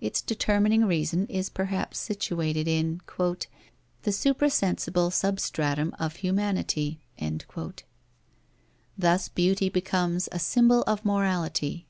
Its determining reason is perhaps situated in "the suprasensible substratum of humanity." Thus beauty becomes a symbol of morality.